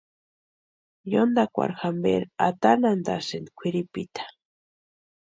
Yontakwarhu jamperu atanhantasïnti kwʼiripita.